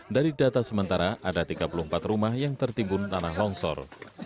dari data sementara ada tiga puluh empat rumah yang tertimbun tanah longsor